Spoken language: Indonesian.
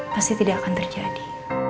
pasti tidak akan terjadi